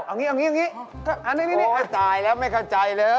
เอาอย่างนี้โอ๊ยตายแล้วไม่เข้าใจเลย